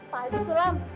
pak ajie sulam